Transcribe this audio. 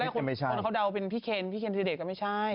ตอนแรกคนเขาเดาเป็นพี่เคนพี่เคนทีระเด็จก็ไม่ใช่